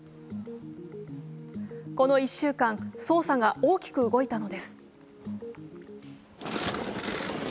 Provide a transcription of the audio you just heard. この１週間、捜査が大きく動いたのです。